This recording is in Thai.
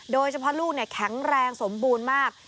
โดยเฉพาะลูกเนี่ยแข็งแรงสมบูรณ์มาก